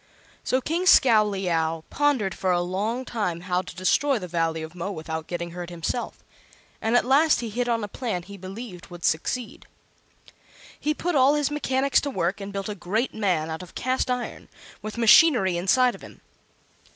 So King Scowleyow pondered for a long time how to destroy the Valley of Mo without getting hurt himself; and at last he hit on a plan he believed would succeed. He put all his mechanics to work and built a great man out of cast iron, with machinery inside of him.